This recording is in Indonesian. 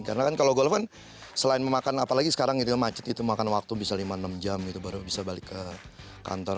karena kan kalau golf kan selain memakan apa lagi sekarang macet itu makan waktu bisa lima enam jam gitu baru bisa balik ke kantor